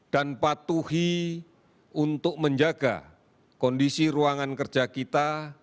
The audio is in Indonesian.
dan patuhi untuk menjaga kondisi ruangan kerja kita